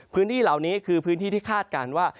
พื้นที่เหล่านี้คือพื้นที่ที่คาดการณ์ว่า